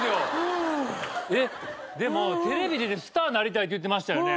でもテレビ出てスターなりたいって言ってましたよね？